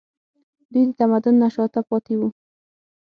دوی د تمدن نه شاته پاتې وو